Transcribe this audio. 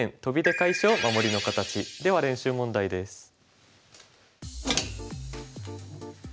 では練習問題です。